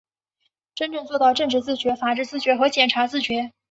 真正做到政治自觉、法治自觉和检察自觉